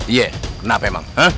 iya kenapa emang